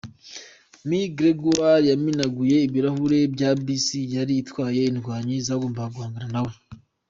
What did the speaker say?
McGreggor yamenaguye ibirahuri bya bisi yari itwaye indwanyi zagombaga guhangana nawe.